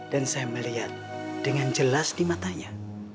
dan saya melihat dengan jelas di matanya